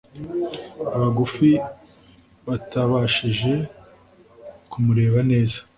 Abagufi batabashije kumureba neza